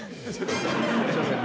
すいません。